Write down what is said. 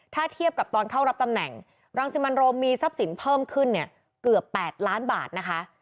ถ้าเทียบกับตอนเข้ารับตำแหน่งรังสิมันโรมมีทรัพย์สินเพิ่มขึ้นเนี่ยเกือบ๘ล้านบาทนะคะ